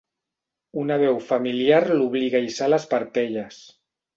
Una veu familiar l'obliga a hissar les parpelles.